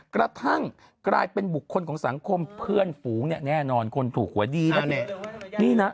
กระทั่งกลายเป็นบุคคลของสังคมเพื่อนฝูงมันแน่นอนควรถูกหัวนี่น่ะ